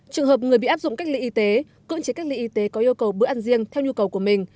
trường hợp người bị áp dụng cách ly y tế cưỡng chế cách ly y tế có yêu cầu bữa ăn riêng theo nhu cầu của mình